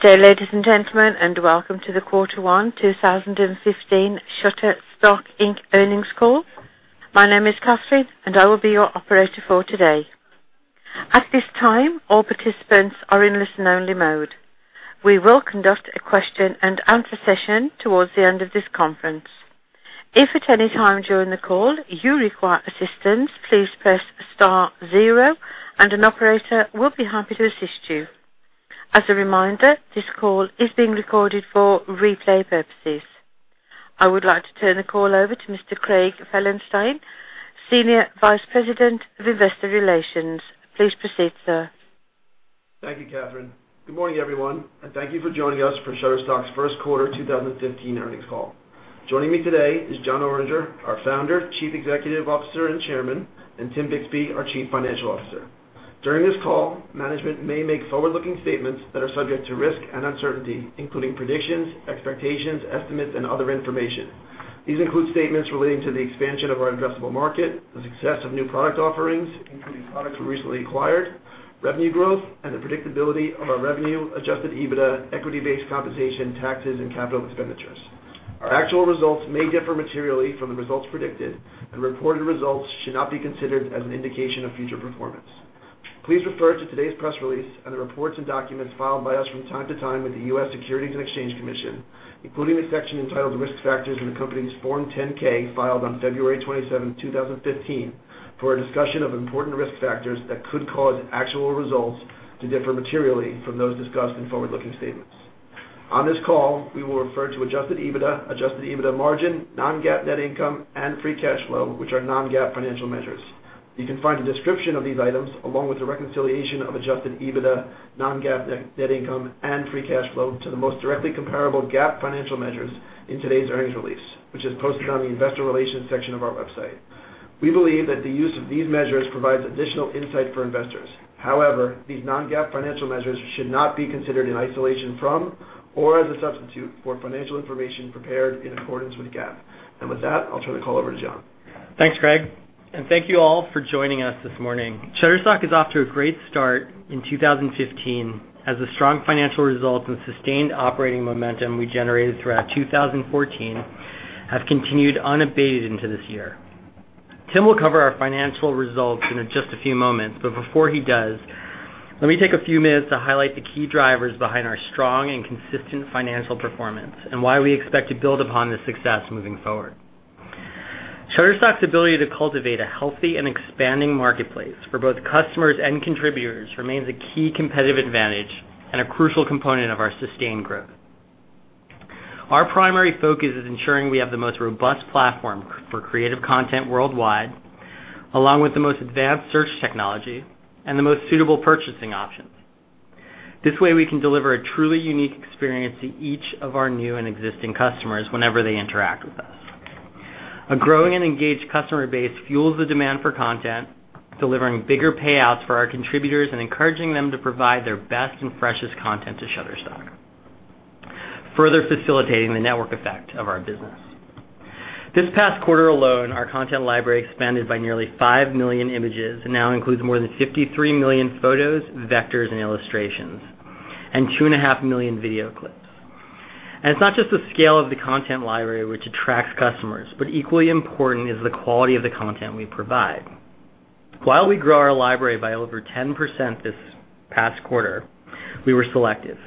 Good day, ladies and gentlemen, and welcome to the Quarter One 2015 Shutterstock Inc. earnings call. My name is Catherine, and I will be your operator for today. At this time, all participants are in listen-only mode. We will conduct a question and answer session towards the end of this conference. If at any time during the call you require assistance, please press star zero and an operator will be happy to assist you. As a reminder, this call is being recorded for replay purposes. I would like to turn the call over to Mr. Craig Felenstein, Senior Vice President of Investor Relations. Please proceed, sir. Thank you, Catherine. Good morning, everyone, and thank you for joining us for Shutterstock's first quarter 2015 earnings call. Joining me today is Jon Oringer, our founder, Chief Executive Officer, and Chairman, and Tim Bixby, our Chief Financial Officer. During this call, management may make forward-looking statements that are subject to risk and uncertainty, including predictions, expectations, estimates, and other information. These include statements relating to the expansion of our addressable market, the success of new product offerings, including products we recently acquired, revenue growth, and the predictability of our revenue, Adjusted EBITDA, equity-based compensation, taxes, and capital expenditures. Our actual results may differ materially from the results predicted, and reported results should not be considered as an indication of future performance. Please refer to today's press release and the reports and documents filed by us from time to time with the U.S. Securities and Exchange Commission, including the section entitled Risk Factors in the company's Form 10-K filed on February 27, 2015, for a discussion of important risk factors that could cause actual results to differ materially from those discussed in forward-looking statements. On this call, we will refer to Adjusted EBITDA, Adjusted EBITDA margin, non-GAAP net income, and free cash flow, which are non-GAAP financial measures. You can find a description of these items along with the reconciliation of Adjusted EBITDA, non-GAAP net income, and free cash flow to the most directly comparable GAAP financial measures in today's earnings release, which is posted on the investor relations section of our website. We believe that the use of these measures provides additional insight for investors. However, these non-GAAP financial measures should not be considered in isolation from or as a substitute for financial information prepared in accordance with GAAP. With that, I'll turn the call over to Jon. Thanks, Craig. Thank you all for joining us this morning. Shutterstock is off to a great start in 2015 as the strong financial results and sustained operating momentum we generated throughout 2014 have continued unabated into this year. Tim will cover our financial results in just a few moments, but before he does, let me take a few minutes to highlight the key drivers behind our strong and consistent financial performance and why we expect to build upon this success moving forward. Shutterstock's ability to cultivate a healthy and expanding marketplace for both customers and contributors remains a key competitive advantage and a crucial component of our sustained growth. Our primary focus is ensuring we have the most robust platform for creative content worldwide, along with the most advanced search technology and the most suitable purchasing options. This way, we can deliver a truly unique experience to each of our new and existing customers whenever they interact with us. A growing and engaged customer base fuels the demand for content, delivering bigger payouts for our contributors and encouraging them to provide their best and freshest content to Shutterstock, further facilitating the network effect of our business. This past quarter alone, our content library expanded by nearly 5 million images and now includes more than 53 million photos, vectors, and illustrations, and two and a half million video clips. It's not just the scale of the content library which attracts customers, but equally important is the quality of the content we provide. While we grow our library by over 10% this past quarter, we were selective.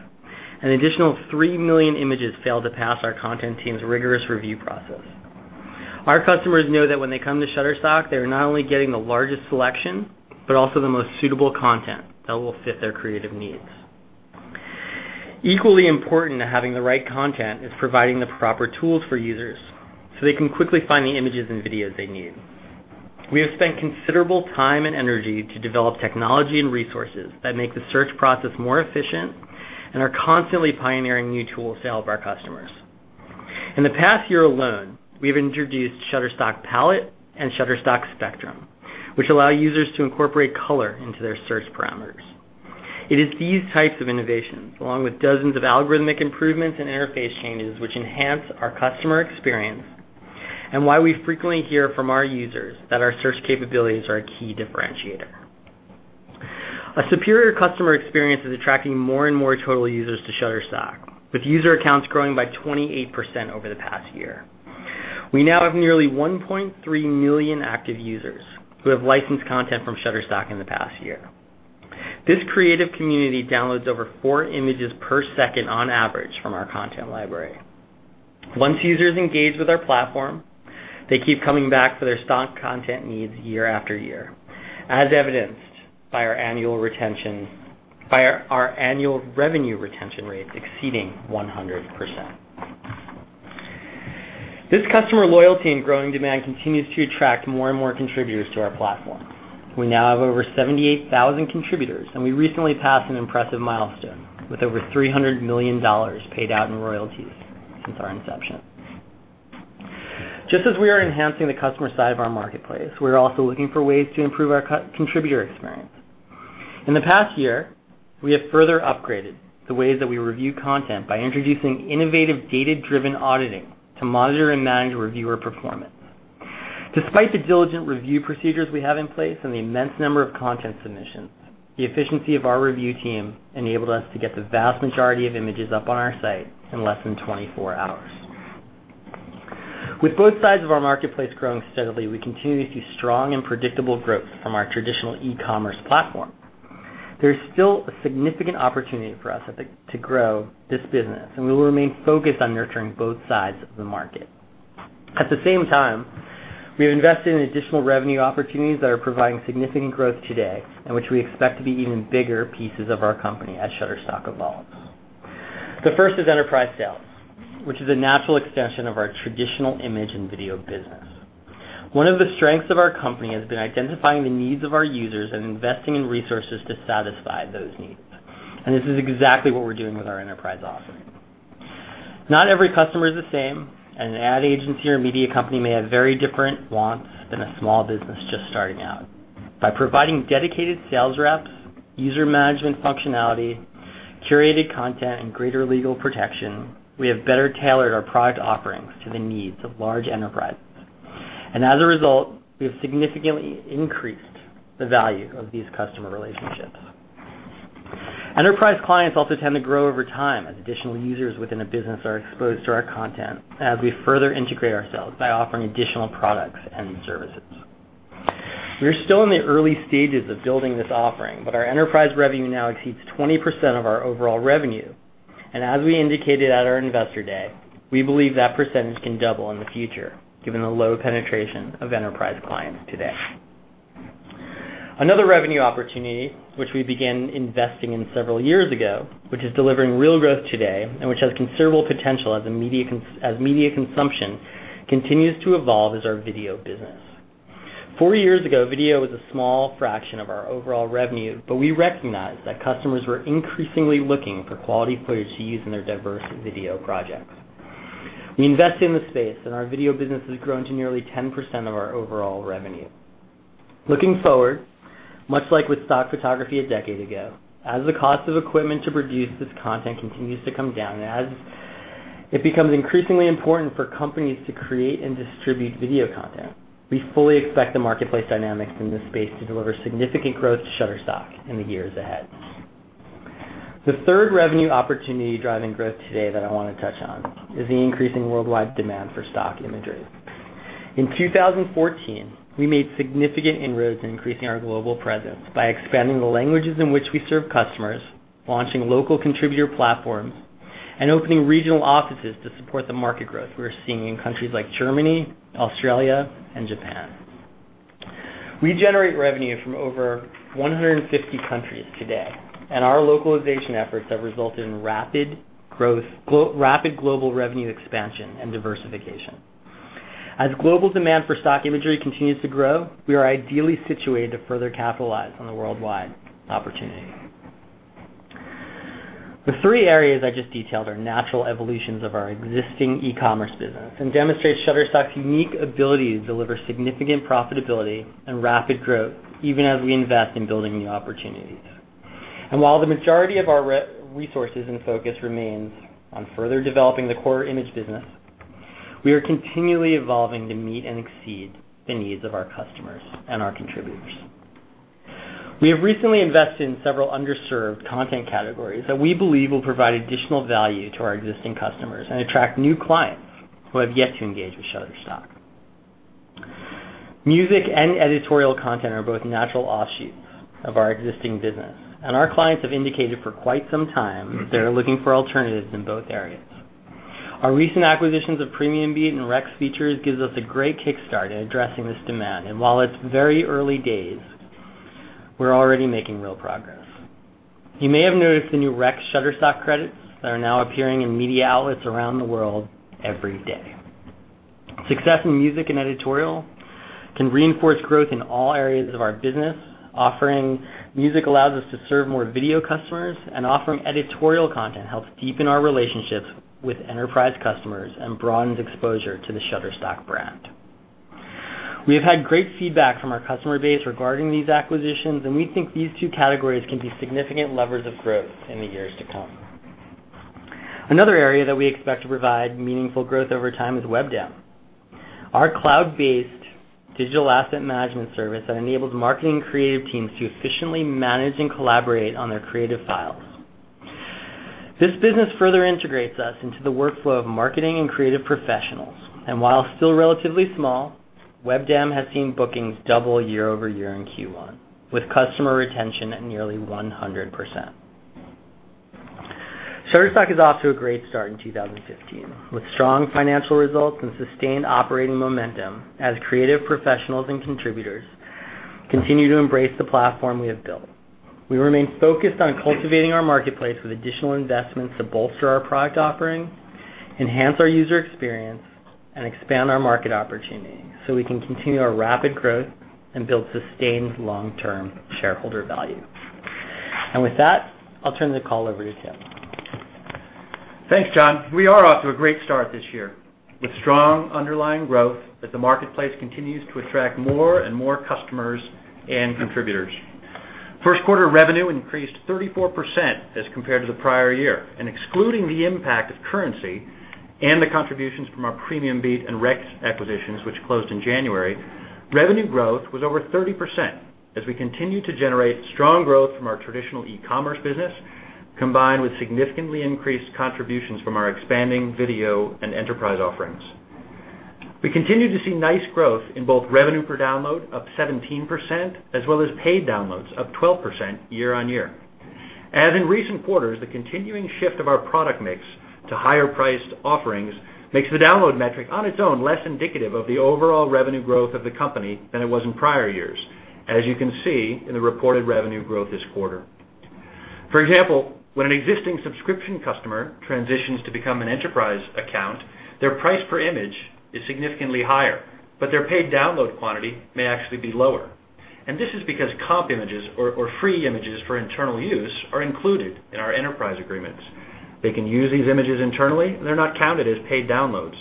An additional 3 million images failed to pass our content team's rigorous review process. Our customers know that when they come to Shutterstock, they are not only getting the largest selection, but also the most suitable content that will fit their creative needs. Equally important to having the right content is providing the proper tools for users so they can quickly find the images and videos they need. We have spent considerable time and energy to develop technology and resources that make the search process more efficient and are constantly pioneering new tools to help our customers. In the past year alone, we've introduced Shutterstock Palette and Shutterstock Spectrum, which allow users to incorporate color into their search parameters. It is these types of innovations, along with dozens of algorithmic improvements and interface changes, which enhance our customer experience and why we frequently hear from our users that our search capabilities are a key differentiator. A superior customer experience is attracting more and more total users to Shutterstock, with user accounts growing by 28% over the past year. We now have nearly 1.3 million active users who have licensed content from Shutterstock in the past year. This creative community downloads over four images per second on average from our content library. Once users engage with our platform, they keep coming back for their stock content needs year after year, as evidenced by our annual revenue retention rates exceeding 100%. This customer loyalty and growing demand continues to attract more and more contributors to our platform. We now have over 78,000 contributors, and we recently passed an impressive milestone, with over $300 million paid out in royalties since our inception. Just as we are enhancing the customer side of our marketplace, we're also looking for ways to improve our contributor experience. In the past year, we have further upgraded the ways that we review content by introducing innovative data-driven auditing to monitor and manage reviewer performance. Despite the diligent review procedures we have in place and the immense number of content submissions, the efficiency of our review team enabled us to get the vast majority of images up on our site in less than 24 hours. With both sides of our marketplace growing steadily, we continue to see strong and predictable growth from our traditional e-commerce platform. There is still a significant opportunity for us to grow this business, and we will remain focused on nurturing both sides of the market. At the same time, we have invested in additional revenue opportunities that are providing significant growth today, and which we expect to be even bigger pieces of our company as Shutterstock evolves. The first is enterprise sales, which is a natural extension of our traditional image and video business. One of the strengths of our company has been identifying the needs of our users and investing in resources to satisfy those needs. This is exactly what we're doing with our enterprise offering. Not every customer is the same, and an ad agency or media company may have very different wants than a small business just starting out. By providing dedicated sales reps, user management functionality, curated content, and greater legal protection, we have better tailored our product offerings to the needs of large enterprises. As a result, we have significantly increased the value of these customer relationships. Enterprise clients also tend to grow over time as additional users within a business are exposed to our content as we further integrate ourselves by offering additional products and services. We are still in the early stages of building this offering, but our enterprise revenue now exceeds 20% of our overall revenue. As we indicated at our investor day, we believe that percentage can double in the future given the low penetration of enterprise clients today. Another revenue opportunity, which we began investing in several years ago, which is delivering real growth today, and which has considerable potential as media consumption continues to evolve, is our video business. Four years ago, video was a small fraction of our overall revenue, but we recognized that customers were increasingly looking for quality footage to use in their diverse video projects. We invested in the space, and our video business has grown to nearly 10% of our overall revenue. Looking forward, much like with stock photography a decade ago, as the cost of equipment to produce this content continues to come down and as it becomes increasingly important for companies to create and distribute video content, we fully expect the marketplace dynamics in this space to deliver significant growth to Shutterstock in the years ahead. The third revenue opportunity driving growth today that I want to touch on is the increasing worldwide demand for stock imagery. In 2014, we made significant inroads in increasing our global presence by expanding the languages in which we serve customers, launching local contributor platforms, and opening regional offices to support the market growth we're seeing in countries like Germany, Australia, and Japan. We generate revenue from over 150 countries today, and our localization efforts have resulted in rapid global revenue expansion and diversification. As global demand for stock imagery continues to grow, we are ideally situated to further capitalize on the worldwide opportunity. The three areas I just detailed are natural evolutions of our existing e-commerce business and demonstrate Shutterstock's unique ability to deliver significant profitability and rapid growth even as we invest in building new opportunities. While the majority of our resources and focus remains on further developing the core image business, we are continually evolving to meet and exceed the needs of our customers and our contributors. We have recently invested in several underserved content categories that we believe will provide additional value to our existing customers and attract new clients who have yet to engage with Shutterstock. Music and editorial content are both natural offshoots of our existing business, and our clients have indicated for quite some time they're looking for alternatives in both areas. Our recent acquisitions of PremiumBeat and Rex Features gives us a great kickstart in addressing this demand. While it's very early days, we're already making real progress. You may have noticed the new Rex Shutterstock credits that are now appearing in media outlets around the world every day. Success in music and editorial can reinforce growth in all areas of our business. Offering music allows us to serve more video customers, and offering editorial content helps deepen our relationships with enterprise customers and broadens exposure to the Shutterstock brand. We have had great feedback from our customer base regarding these acquisitions, and we think these two categories can be significant levers of growth in the years to come. Another area that we expect to provide meaningful growth over time is WebDAM, our cloud-based digital asset management service that enables marketing creative teams to efficiently manage and collaborate on their creative files. This business further integrates us into the workflow of marketing and creative professionals. While still relatively small, WebDAM has seen bookings double year over year in Q1, with customer retention at nearly 100%. Shutterstock is off to a great start in 2015, with strong financial results and sustained operating momentum as creative professionals and contributors continue to embrace the platform we have built. We remain focused on cultivating our marketplace with additional investments to bolster our product offering, enhance our user experience, and expand our market opportunity so we can continue our rapid growth and build sustained long-term shareholder value. With that, I'll turn the call over to Tim. Thanks, Jon. We are off to a great start this year with strong underlying growth as the marketplace continues to attract more and more customers and contributors. First quarter revenue increased 34% as compared to the prior year. Excluding the impact of currency and the contributions from our PremiumBeat and Rex acquisitions, which closed in January, revenue growth was over 30% as we continued to generate strong growth from our traditional e-commerce business, combined with significantly increased contributions from our expanding video and enterprise offerings. We continued to see nice growth in both revenue per download, up 17%, as well as paid downloads, up 12% year-on-year. As in recent quarters, the continuing shift of our product mix to higher priced offerings makes the download metric on its own less indicative of the overall revenue growth of the company than it was in prior years, as you can see in the reported revenue growth this quarter. For example, when an existing subscription customer transitions to become an enterprise account, their price per image is significantly higher, but their paid download quantity may actually be lower. This is because comp images or free images for internal use are included in our enterprise agreements. They can use these images internally. They're not counted as paid downloads.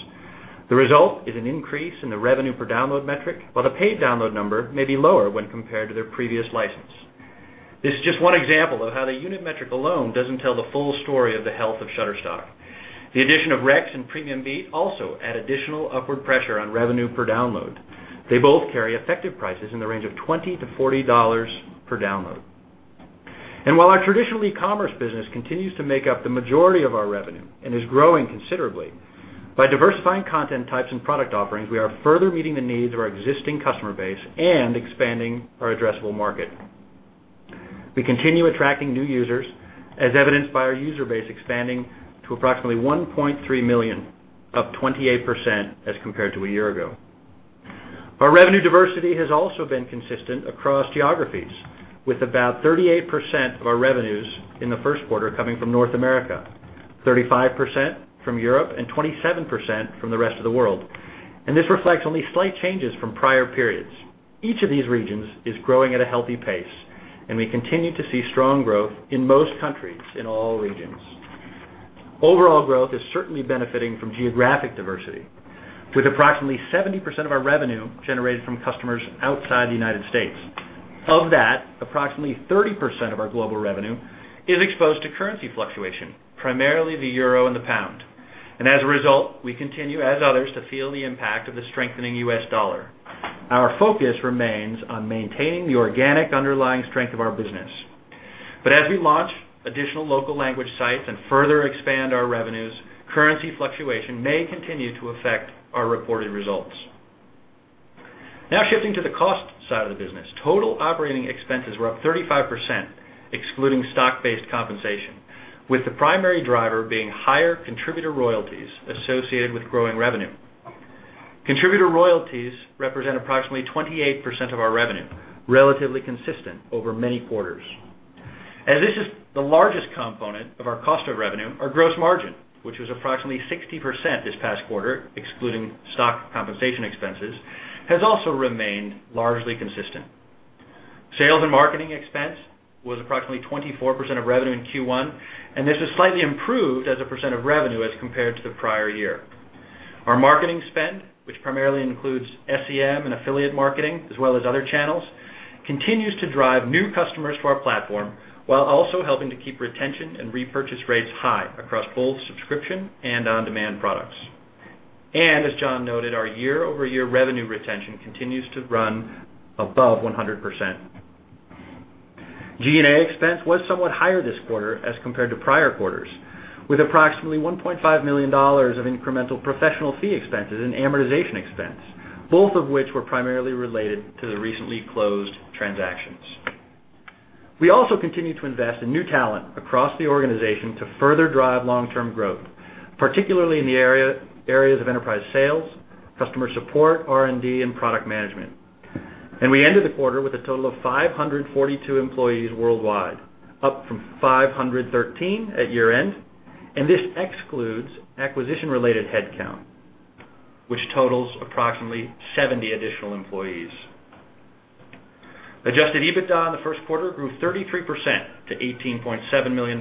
The result is an increase in the revenue per download metric, while the paid download number may be lower when compared to their previous license. This is just one example of how the unit metric alone doesn't tell the full story of the health of Shutterstock. The addition of Rex and PremiumBeat also add additional upward pressure on revenue per download. They both carry effective prices in the range of $20-$40 per download. While our traditional e-commerce business continues to make up the majority of our revenue and is growing considerably, by diversifying content types and product offerings, we are further meeting the needs of our existing customer base and expanding our addressable market. We continue attracting new users, as evidenced by our user base expanding to approximately 1.3 million, up 28% as compared to a year ago. Our revenue diversity has also been consistent across geographies, with about 38% of our revenues in the first quarter coming from North America, 35% from Europe, and 27% from the rest of the world. This reflects only slight changes from prior periods. Each of these regions is growing at a healthy pace, and we continue to see strong growth in most countries in all regions. Overall growth is certainly benefiting from geographic diversity with approximately 70% of our revenue generated from customers outside the United States. Of that, approximately 30% of our global revenue is exposed to currency fluctuation, primarily the euro and the pound. As a result, we continue, as others, to feel the impact of the strengthening U.S. dollar. Our focus remains on maintaining the organic underlying strength of our business. As we launch additional local language sites and further expand our revenues, currency fluctuation may continue to affect our reported results. Now shifting to the cost side of the business, total operating expenses were up 35%, excluding stock-based compensation, with the primary driver being higher contributor royalties associated with growing revenue. Contributor royalties represent approximately 28% of our revenue, relatively consistent over many quarters. As this is the largest component of our cost of revenue, our gross margin, which was approximately 60% this past quarter, excluding stock compensation expenses, has also remained largely consistent. Sales and marketing expense was approximately 24% of revenue in Q1. This is slightly improved as a % of revenue as compared to the prior year. Our marketing spend, which primarily includes SEM and affiliate marketing, as well as other channels, continues to drive new customers to our platform, while also helping to keep retention and repurchase rates high across both subscription and on-demand products. As Jon noted, our year-over-year revenue retention continues to run above 100%. G&A expense was somewhat higher this quarter as compared to prior quarters, with approximately $1.5 million of incremental professional fee expenses and amortization expense, both of which were primarily related to the recently closed transactions. We also continue to invest in new talent across the organization to further drive long-term growth, particularly in the areas of enterprise sales, customer support, R&D, and product management. We ended the quarter with a total of 542 employees worldwide, up from 513 at year-end. This excludes acquisition-related headcount, which totals approximately 70 additional employees. Adjusted EBITDA in the first quarter grew 33% to $18.7 million,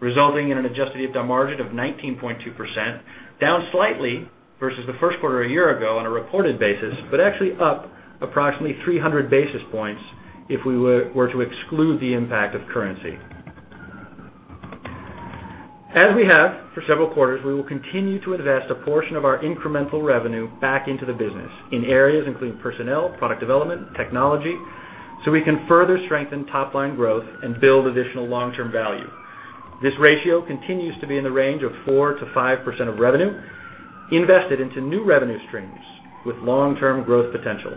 resulting in an Adjusted EBITDA margin of 19.2%, down slightly versus the first quarter a year ago on a reported basis, but actually up approximately 300 basis points if we were to exclude the impact of currency. As we have for several quarters, we will continue to invest a portion of our incremental revenue back into the business in areas including personnel, product development, technology, so we can further strengthen top-line growth and build additional long-term value. This ratio continues to be in the range of 4%-5% of revenue invested into new revenue streams with long-term growth potential.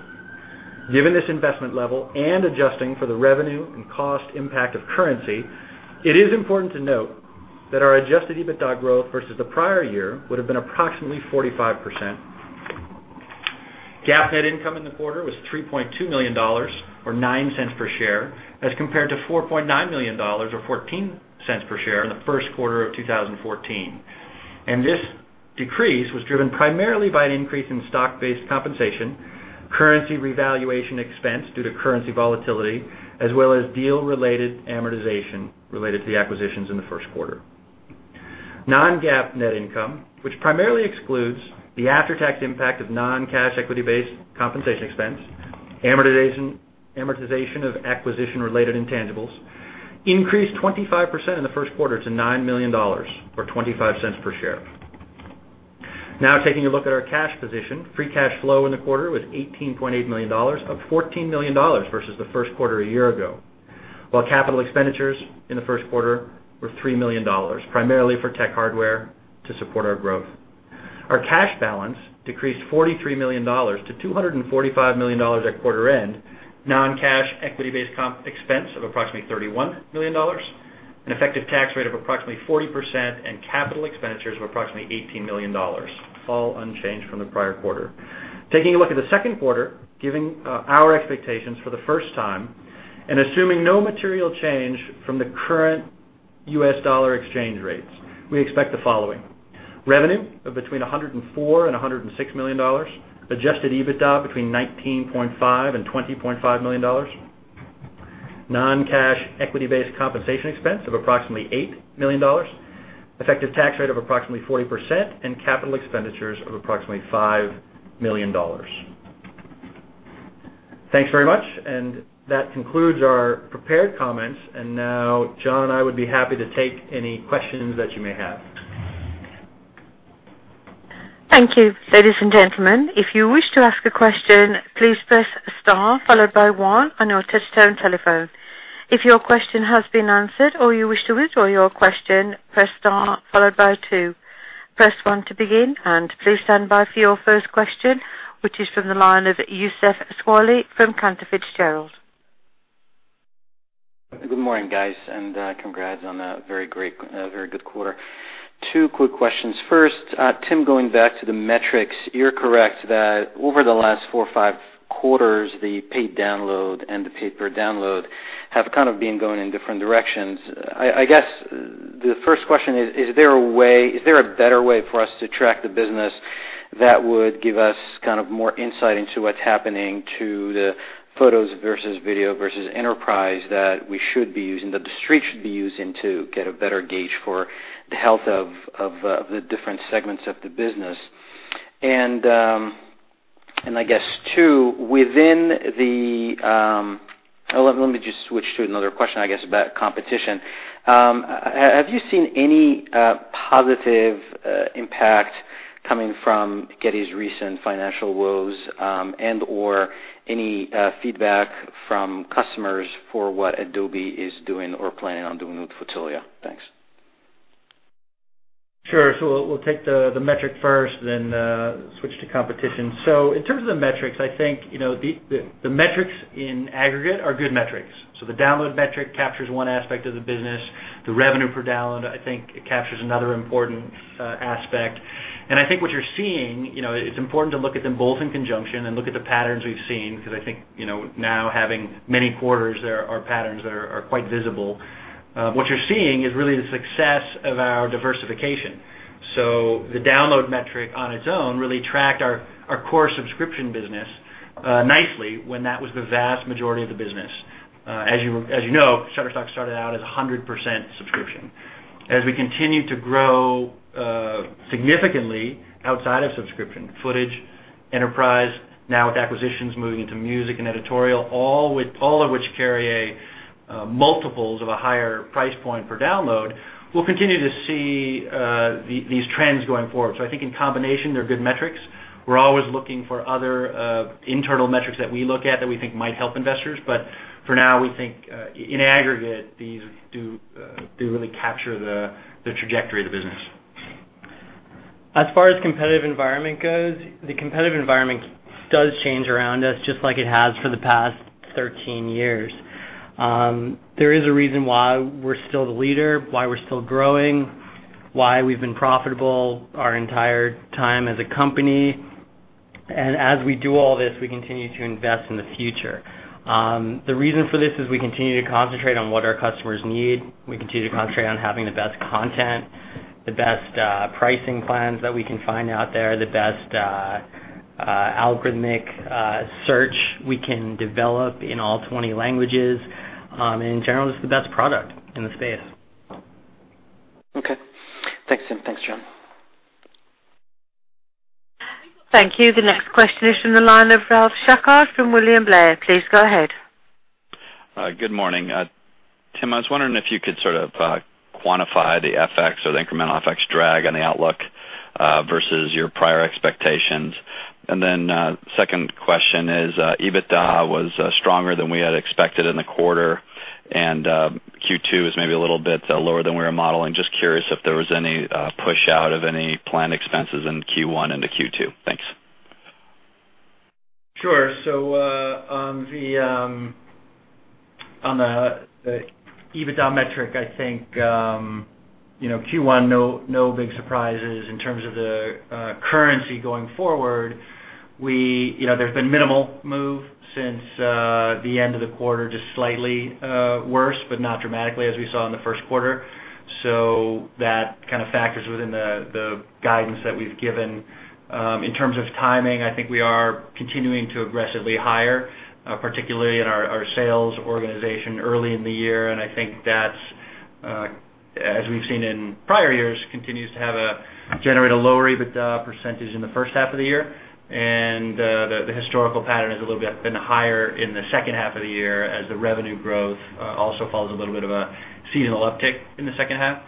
Given this investment level and adjusting for the revenue and cost impact of currency, it is important to note that our Adjusted EBITDA growth versus the prior year would have been approximately 45%. GAAP net income in the quarter was $3.2 million, or $0.09 per share, as compared to $4.9 million or $0.14 per share in the first quarter of 2014. This decrease was driven primarily by an increase in stock-based compensation, currency revaluation expense due to currency volatility, as well as deal-related amortization related to the acquisitions in the first quarter. Non-GAAP net income, which primarily excludes the after-tax impact of non-cash equity-based compensation expense, amortization of acquisition-related intangibles increased 25% in the first quarter to $9 million or $0.25 per share. Now taking a look at our cash position. Free cash flow in the quarter was $18.8 million, up $14 million versus the first quarter a year ago, while capital expenditures in the first quarter were $3 million, primarily for tech hardware to support our growth. Our cash balance decreased $43 million to $245 million at quarter end, non-cash equity-based comp expense of approximately $31 million, an effective tax rate of approximately 40% and capital expenditures of approximately $18 million. All unchanged from the prior quarter. Taking a look at the second quarter, giving our expectations for the first time, and assuming no material change from the current U.S. dollar exchange rates, we expect the following. Revenue of between $104 million-$106 million, Adjusted EBITDA between $19.5 million-$20.5 million, non-cash equity-based compensation expense of approximately $8 million, effective tax rate of approximately 40% and capital expenditures of approximately $5 million. That concludes our prepared comments. Now, Jon and I would be happy to take any questions that you may have. Thank you. Ladies and gentlemen, if you wish to ask a question, please press star followed by one on your touchtone telephone. If your question has been answered or you wish to withdraw your question, press star followed by two. Press one to begin. Please stand by for your first question, which is from the line of Youssef Squali from Cantor Fitzgerald. Good morning, guys. Congrats on a very good quarter. Two quick questions. First, Tim, going back to the metrics. You're correct that over the last four or five quarters, the paid download and the pay-per-download have kind of been going in different directions. I guess, the first question is there a better way for us to track the business that would give us kind of more insight into what's happening to the photos versus video versus enterprise that we should be using, that the Street should be using to get a better gauge for the health of the different segments of the business? I guess, two, let me just switch to another question, I guess, about competition. Have you seen any positive impact coming from Getty's recent financial woes, and/or any feedback from customers for what Adobe is doing or planning on doing with Fotolia? Thanks. Sure. We'll take the metric first, then switch to competition. In terms of the metrics, I think, the metrics in aggregate are good metrics. The download metric captures one aspect of the business. The revenue per download, I think, captures another important aspect. I think what you're seeing, it's important to look at them both in conjunction and look at the patterns we've seen, because I think now having many quarters there, our patterns are quite visible. What you're seeing is really the success of our diversification. The download metric on its own really tracked our core subscription business nicely when that was the vast majority of the business. As you know, Shutterstock started out as 100% subscription. As we continue to grow significantly outside of subscription, footage, enterprise, now with acquisitions moving into music and editorial, all of which carry multiples of a higher price point per download, we'll continue to see these trends going forward. I think in combination, they're good metrics. We're always looking for other internal metrics that we look at that we think might help investors. For now, we think in aggregate, these do really capture the trajectory of the business. As far as competitive environment goes, the competitive environment does change around us just like it has for the past 13 years. There is a reason why we're still the leader, why we're still growing, why we've been profitable our entire time as a company. As we do all this, we continue to invest in the future. The reason for this is we continue to concentrate on what our customers need. We continue to concentrate on having the best content, the best pricing plans that we can find out there, the best algorithmic search we can develop in all 20 languages. In general, just the best product in the space. Okay. Thanks, Tim. Thanks, Jon. Thank you. The next question is from the line of Ralph Schackart from William Blair. Please go ahead. Good morning. Tim, I was wondering if you could sort of quantify the FX or the incremental FX drag on the outlook versus your prior expectations. Second question is, Adjusted EBITDA was stronger than we had expected in the quarter, and Q2 is maybe a little bit lower than we were modeling. Just curious if there was any push out of any planned expenses in Q1 into Q2. Thanks. Sure. On the Adjusted EBITDA metric, I think Q1, no big surprises. In terms of the currency going forward, there's been minimal move since the end of the quarter, just slightly worse, but not dramatically as we saw in the first quarter. That kind of factors within the guidance that we've given. In terms of timing, I think we are continuing to aggressively hire, particularly in our sales organization early in the year, and I think that's As we've seen in prior years, continues to generate a lower Adjusted EBITDA percentage in the first half of the year. The historical pattern has a little bit been higher in the second half of the year as the revenue growth also follows a little bit of a seasonal uptick in the second half.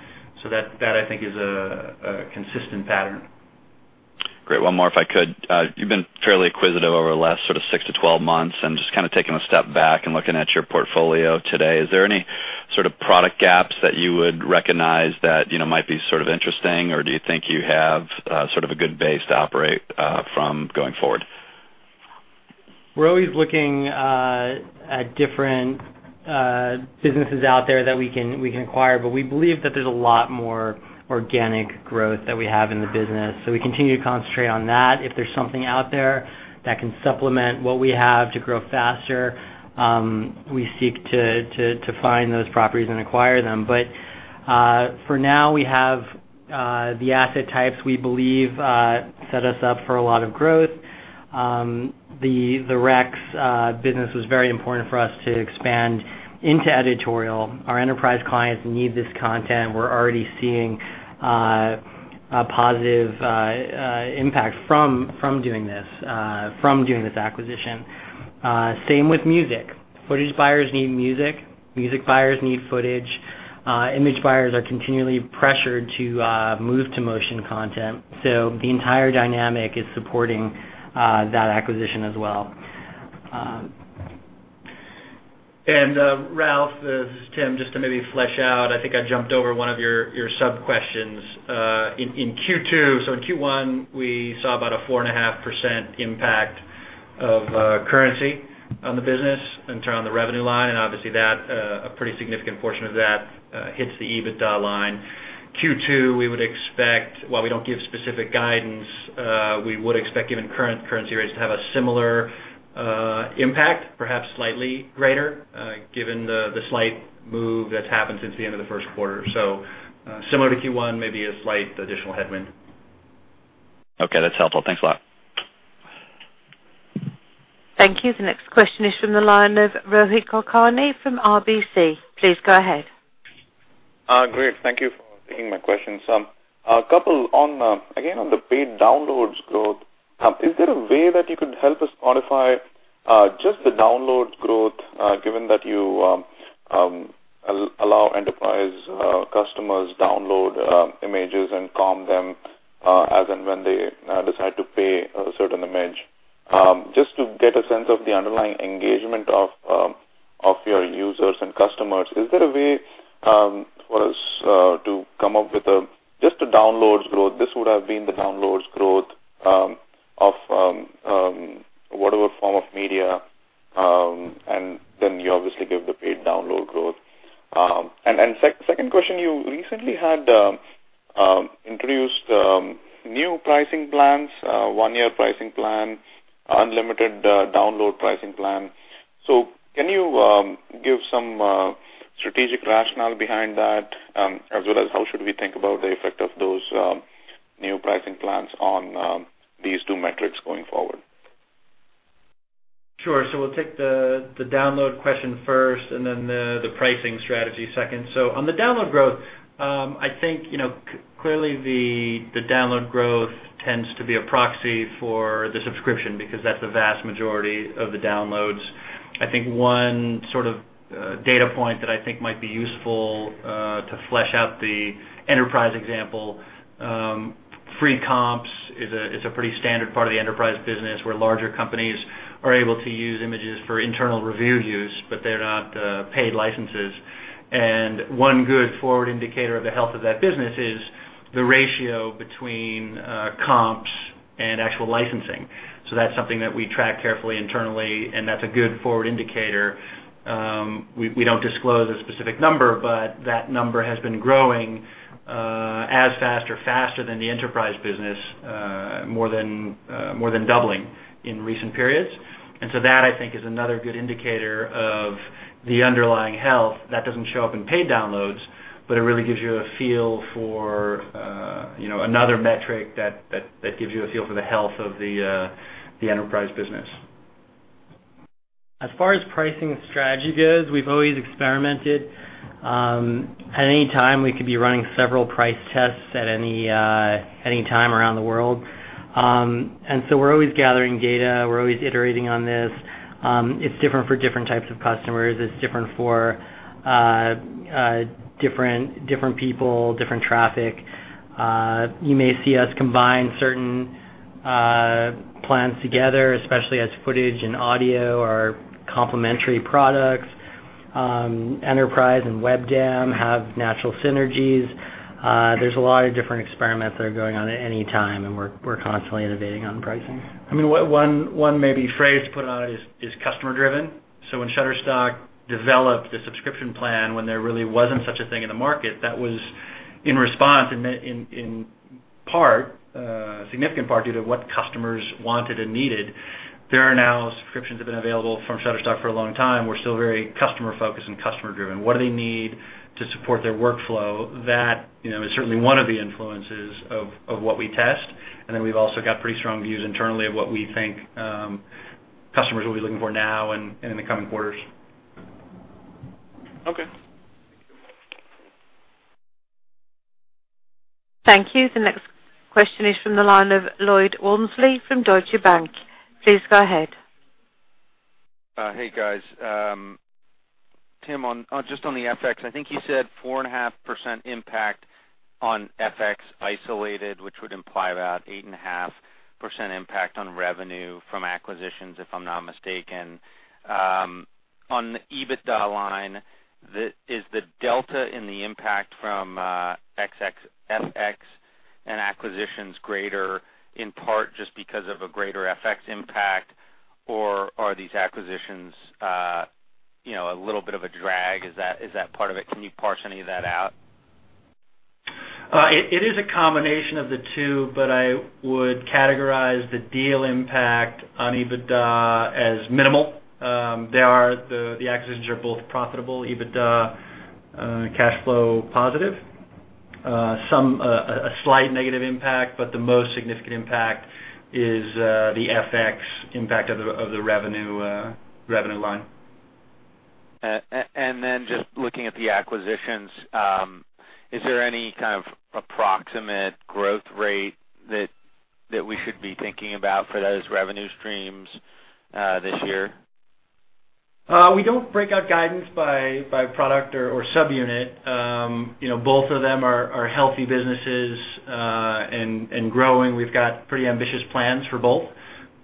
That I think is a consistent pattern. Great. One more, if I could. You've been fairly acquisitive over the last six to 12 months, and just kind of taking a step back and looking at your portfolio today, is there any sort of product gaps that you would recognize that might be sort of interesting, or do you think you have a good base to operate from going forward? We're always looking at different businesses out there that we can acquire, but we believe that there's a lot more organic growth that we have in the business. We continue to concentrate on that. If there's something out there that can supplement what we have to grow faster, we seek to find those properties and acquire them. For now, we have the asset types we believe set us up for a lot of growth. The Rex business was very important for us to expand into editorial. Our enterprise clients need this content. We're already seeing a positive impact from doing this acquisition. Same with music. Footage buyers need music buyers need footage. Image buyers are continually pressured to move to motion content. The entire dynamic is supporting that acquisition as well. Ralph, this is Tim, just to maybe flesh out, I think I jumped over one of your sub-questions. In Q1, we saw about a 4.5% impact of currency on the business in turn on the revenue line, and obviously, a pretty significant portion of that hits the Adjusted EBITDA line. Q2, while we don't give specific guidance, we would expect, given current currency rates, to have a similar impact, perhaps slightly greater, given the slight move that's happened since the end of the first quarter. Similar to Q1, maybe a slight additional headwind. Okay, that's helpful. Thanks a lot. Thank you. The next question is from the line of Rohit Kulkarni from RBC. Please go ahead. Great. Thank you for taking my questions. A couple, again, on the paid downloads growth. Is there a way that you could help us quantify just the downloads growth, given that you allow enterprise customers download images and comp them as and when they decide to pay a certain image. Just to get a sense of the underlying engagement of your users and customers, is there a way for us to come up with just a downloads growth? This would have been the downloads growth of whatever form of media, and then you obviously give the paid download growth. Second question, you recently had introduced new pricing plans, one-year pricing plan, unlimited download pricing plan. Can you give some strategic rationale behind that? As well as how should we think about the effect of those new pricing plans on these two metrics going forward? Sure. We'll take the download question first and then the pricing strategy second. On the download growth, I think, clearly the download growth tends to be a proxy for the subscription because that's the vast majority of the downloads. I think one sort of data point that I think might be useful to flesh out the enterprise example, free comps is a pretty standard part of the enterprise business where larger companies are able to use images for internal review use, but they're not paid licenses. One good forward indicator of the health of that business is the ratio between comps and actual licensing. That's something that we track carefully internally, and that's a good forward indicator. We don't disclose a specific number, but that number has been growing as fast or faster than the enterprise business, more than doubling in recent periods. That I think is another good indicator of the underlying health that doesn't show up in paid downloads, but it really gives you a feel for another metric that gives you a feel for the health of the enterprise business. As far as pricing strategy goes, we've always experimented. At any time, we could be running several price tests at any time around the world. We're always gathering data. We're always iterating on this. It's different for different types of customers. It's different for different people, different traffic. You may see us combine certain plans together, especially as footage and audio are complementary products. Enterprise and WebDAM have natural synergies. There's a lot of different experiments that are going on at any time, we're constantly innovating on pricing. One maybe phrase to put on it is customer driven. When Shutterstock developed the subscription plan, when there really wasn't such a thing in the market, that was in response, in significant part, due to what customers wanted and needed. There are now subscriptions have been available from Shutterstock for a long time. We're still very customer focused and customer driven. What do they need to support their workflow? That is certainly one of the influences of what we test. We've also got pretty strong views internally of what we think customers will be looking for now and in the coming quarters. Okay. Thank you. Thank you. The next question is from the line of Lloyd Walmsley from Deutsche Bank. Please go ahead. Hey, guys. Tim, just on the FX, I think you said 4.5% impact on FX isolated, which would imply about 8.5% impact on revenue from acquisitions, if I'm not mistaken. On the EBITDA line, is the delta in the impact from FX and acquisitions greater in part just because of a greater FX impact, or are these acquisitions a little bit of a drag? Is that part of it? Can you parse any of that out? It is a combination of the two. I would categorize the deal impact on EBITDA as minimal. The acquisitions are both profitable, EBITDA cash flow positive. A slight negative impact, the most significant impact is the FX impact of the revenue line. Just looking at the acquisitions, is there any kind of approximate growth rate that we should be thinking about for those revenue streams this year? We don't break out guidance by product or sub-unit. Both of them are healthy businesses and growing. We've got pretty ambitious plans for both.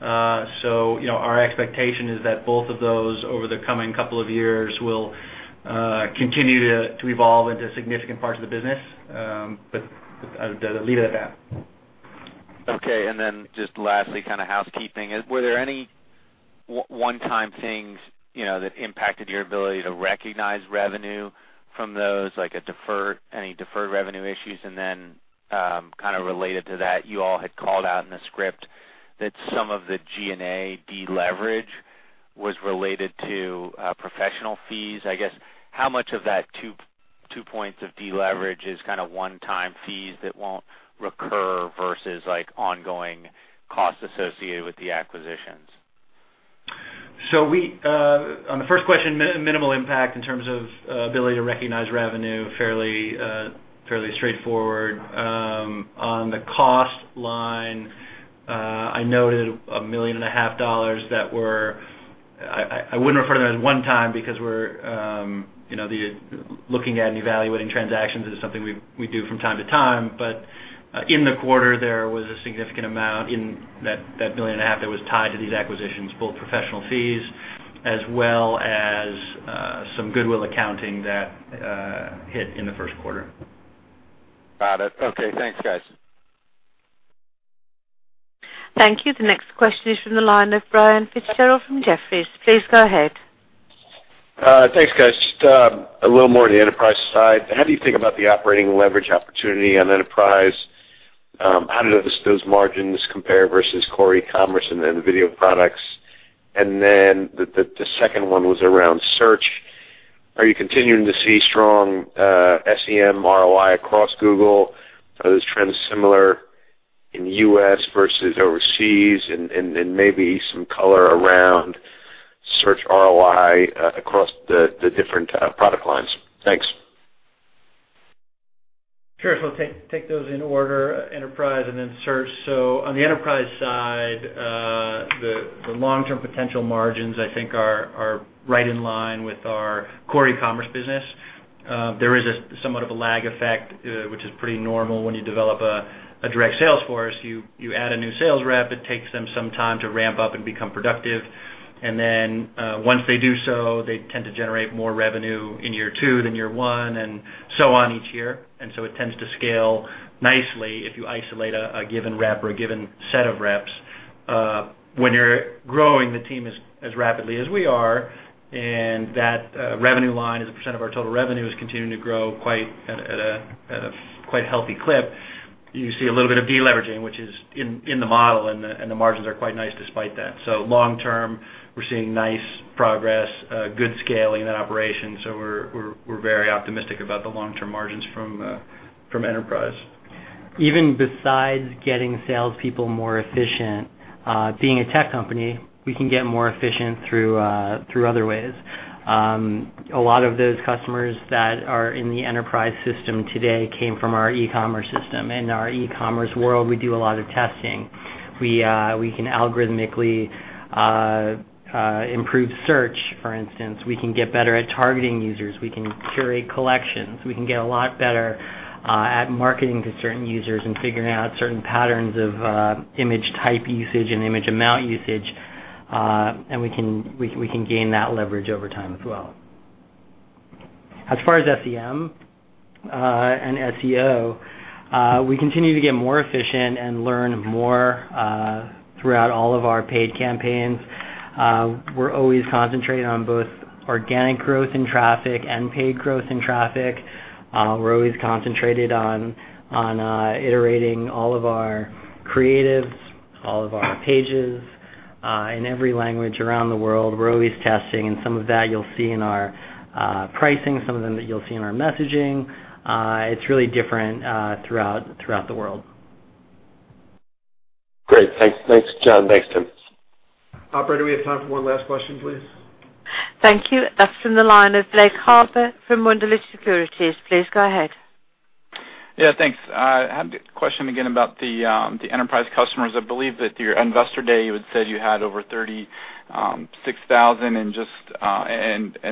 Our expectation is that both of those, over the coming couple of years, will continue to evolve into significant parts of the business. I'll leave it at that. Okay, just lastly, kind of housekeeping. Were there any one-time things that impacted your ability to recognize revenue from those, like any deferred revenue issues? Kind of related to that, you all had called out in the script that some of the G&A deleverage was related to professional fees. I guess, how much of that 2 points of deleverage is kind of one-time fees that won't recur versus ongoing costs associated with the acquisitions? On the first question, minimal impact in terms of ability to recognize revenue, fairly straightforward. On the cost line, I noted $1.5 million. I wouldn't refer to that as one-time because looking at and evaluating transactions is something we do from time to time, but in the quarter, there was a significant amount in that $1.5 million that was tied to these acquisitions, both professional fees as well as some goodwill accounting that hit in the first quarter. Got it. Okay. Thanks, guys. Thank you. The next question is from the line of Brian Fitzgerald from Jefferies. Please go ahead. Thanks, guys. Just a little more on the enterprise side. How do you think about the operating leverage opportunity on enterprise? How do those margins compare versus core e-commerce and then the video products? The second one was around search. Are you continuing to see strong SEM ROI across Google? Are those trends similar in U.S. versus overseas? Maybe some color around search ROI across the different product lines. Thanks. Sure. I'll take those in order, enterprise and then search. On the enterprise side, the long-term potential margins, I think, are right in line with our core e-commerce business. There is somewhat of a lag effect, which is pretty normal when you develop a direct sales force. You add a new sales rep, it takes them some time to ramp up and become productive. Once they do so, they tend to generate more revenue in year 2 than year 1, and so on each year. It tends to scale nicely if you isolate a given rep or a given set of reps. When you're growing the team as rapidly as we are, and that revenue line as a percent of our total revenue is continuing to grow at a quite healthy clip, you see a little bit of deleveraging, which is in the model, and the margins are quite nice despite that. Long term, we're seeing nice progress, good scaling in that operation. We're very optimistic about the long-term margins from enterprise. Even besides getting salespeople more efficient, being a tech company, we can get more efficient through other ways. A lot of those customers that are in the enterprise system today came from our e-commerce system. In our e-commerce world, we do a lot of testing. We can algorithmically improve search, for instance. We can get better at targeting users. We can curate collections. We can get a lot better at marketing to certain users and figuring out certain patterns of image type usage and image amount usage, and we can gain that leverage over time as well. As far as SEM and SEO, we continue to get more efficient and learn more throughout all of our paid campaigns. We're always concentrating on both organic growth in traffic and paid growth in traffic. We're always concentrated on iterating all of our creatives, all of our pages in every language around the world. We're always testing, and some of that you'll see in our pricing, some of them that you'll see in our messaging. It's really different throughout the world. Great. Thanks, Jon. Thanks, Tim. Operator, we have time for one last question, please. Thank you. That's from the line of Blake Harper from Wunderlich Securities. Please go ahead. Yeah, thanks. I had a question again about the enterprise customers. I believe that your investor day, you had said you had over 36,000 and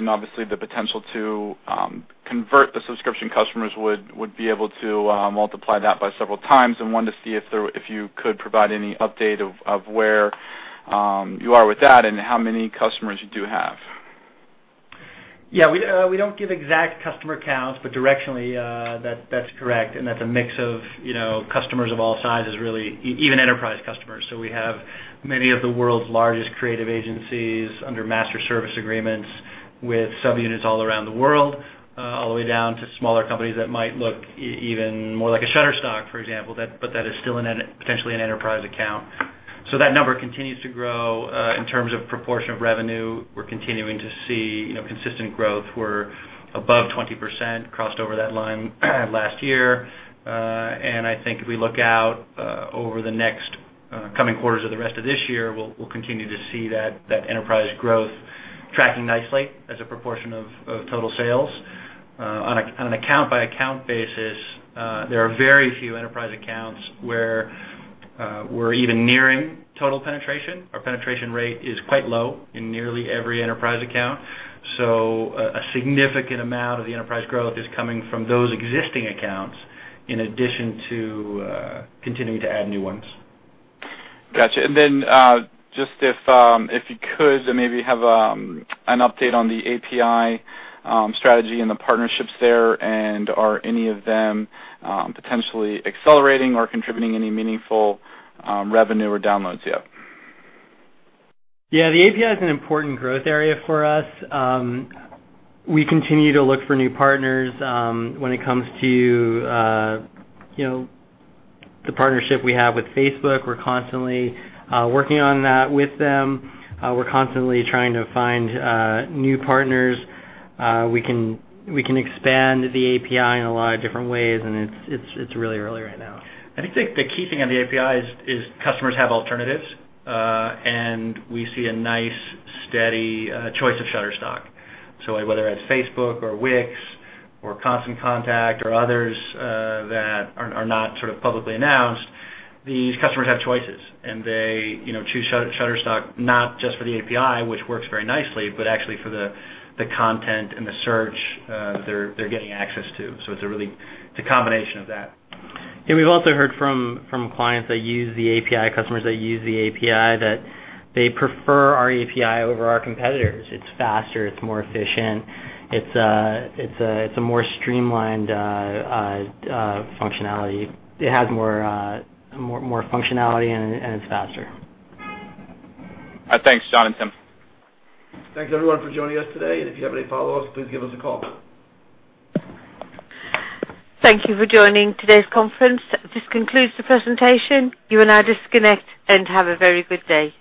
obviously the potential to convert the subscription customers would be able to multiply that by several times and wanted to see if you could provide any update of where you are with that and how many customers you do have. Yeah. We don't give exact customer counts, but directionally, that's correct. That's a mix of customers of all sizes really, even enterprise customers. We have many of the world's largest creative agencies under master service agreements with subunits all around the world, all the way down to smaller companies that might look even more like a Shutterstock, for example, but that is still potentially an enterprise account. That number continues to grow. In terms of proportion of revenue, we're continuing to see consistent growth. We're above 20%, crossed over that line last year. I think if we look out over the next coming quarters of the rest of this year, we'll continue to see that enterprise growth tracking nicely as a proportion of total sales. On an account-by-account basis, there are very few enterprise accounts where we're even nearing total penetration. Our penetration rate is quite low in nearly every enterprise account. A significant amount of the enterprise growth is coming from those existing accounts in addition to continuing to add new ones. Got you. Just if you could, maybe have an update on the API strategy and the partnerships there, and are any of them potentially accelerating or contributing any meaningful revenue or downloads yet? Yeah, the API is an important growth area for us. We continue to look for new partners when it comes to the partnership we have with Facebook. We're constantly working on that with them. We're constantly trying to find new partners. We can expand the API in a lot of different ways. It's really early right now. I think the key thing on the API is customers have alternatives. We see a nice, steady choice of Shutterstock. Whether that's Facebook or Wix or Constant Contact or others that are not sort of publicly announced, these customers have choices, and they choose Shutterstock, not just for the API, which works very nicely, but actually for the content and the search they're getting access to. It's a combination of that. We've also heard from clients that use the API, customers that use the API, that they prefer our API over our competitors. It's faster, it's more efficient. It's a more streamlined functionality. It has more functionality, and it's faster. Thanks, Jon and Tim. Thanks, everyone, for joining us today. If you have any follow-ups, please give us a call. Thank you for joining today's conference. This concludes the presentation. You are now disconnected, and have a very good day.